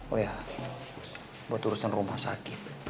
oh ya buat urusan rumah sakit